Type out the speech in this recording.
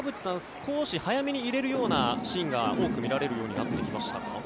少し早めに入れるようなシーンが多く見られるようになってきましたか？